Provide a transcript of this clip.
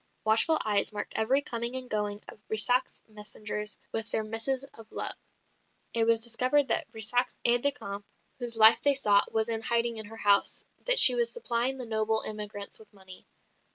Watchful eyes marked every coming and going of Brissac's messengers with their missives of love; it was discovered that Brissac's aide de camp, whose life they sought, was in hiding in her house; that she was supplying the noble emigrants with money.